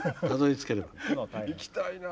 行きたいなあ。